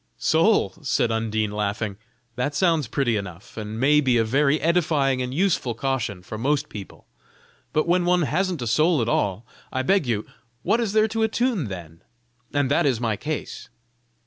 "Soul!" said Undine, laughing; "that sounds pretty enough, and may be a very edifying and useful caution for most people. But when one hasn't a soul at all, I beg you, what is there to attune then? and that is my case."